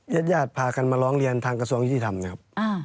ญาติญาติพากันมาร้องเรียนทางกระทรวงยุติธรรมนะครับ